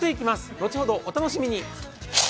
後ほどお楽しみに！